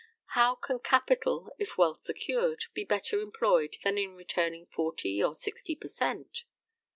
How can capital, if well secured, be better employed than in returning 40 or 60 per cent.?